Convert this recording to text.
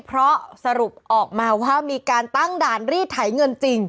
เพราะสรุปออกมาว่ามีการตั้งด่านรีดไถเงินจริง